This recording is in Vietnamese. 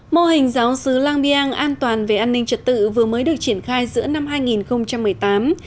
mô hình giáo sứ lang biang an toàn về an ninh trật tự vừa mới được triển khai giữa năm hai nghìn một mươi tám